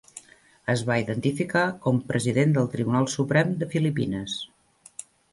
Es va identificar com President del Tribunal Suprem de Filipines.